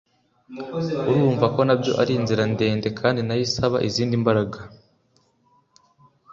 urumva ko na byo ari inzira ndende kandi na yo isaba izindi mbaraga